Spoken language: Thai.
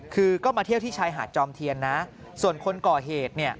คือก็มาเที่ยวที่ชายหาดจอมเทียนนะส่วนคนก่อเหตุเนี่ย